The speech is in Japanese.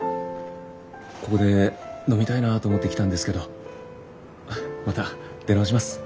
ここで飲みたいなぁと思って来たんですけどまた出直します。